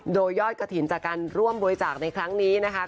โดยยอดกระถิ่นจากการร่วมบริจาคในครั้งนี้นะคะ